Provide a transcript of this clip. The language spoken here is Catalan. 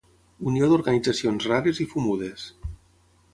Unió d'organitzacions rares i fumudes.